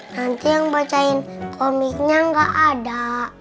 nanti yang bacain komiknya nggak ada